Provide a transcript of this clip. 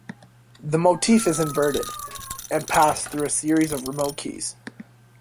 The motif is inverted, and passed through a series of remote keys.